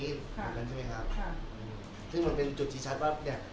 ค่ะเหมือนกันใช่ไหมครับค่ะคือมันเป็นจุดจริงชัดว่าเนี้ยคนเนี้ย